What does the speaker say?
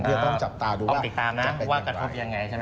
เพื่อต้องจับตาดูว่าจะเป็นยังไง